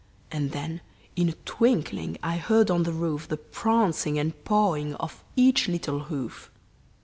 And then, in a twinkling, I heard on the roof The prancing and pawing of each little hoof.